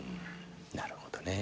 なるほどね。